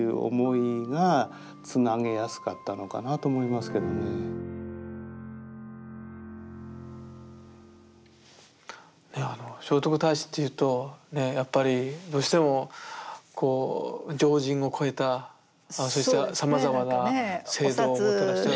ですからほんとに聖徳太子っていうとやっぱりどうしてもこう常人を超えたそうしたさまざまな制度をもたらした。